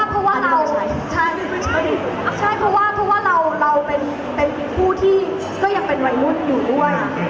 เพราะว่าเราใช่เพราะว่าเพราะว่าเราเป็นผู้ที่ก็ยังเป็นวัยรุ่นอยู่ด้วย